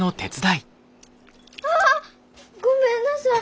ああごめんなさい。